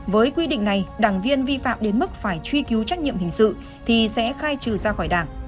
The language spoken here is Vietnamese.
với quy định này đảng viên vi phạm đến mức phải truy cứu trách nhiệm hình sự thì sẽ khai trừ ra khỏi đảng